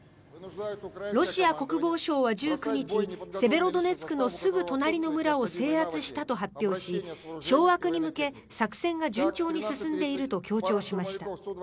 ロシア国防省は１９日セベロドネツクのすぐ隣の村を制圧したと発表し掌握に向け作戦が順調に進んでいると強調しました。